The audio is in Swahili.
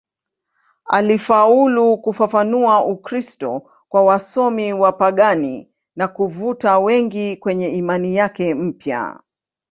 Alifaulu kufafanua Ukristo kwa wasomi wapagani na kuvuta wengi kwenye imani yake mpya.